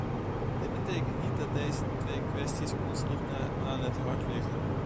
Dit betekent niet dat deze twee kwesties ons niet na aan het hart liggen.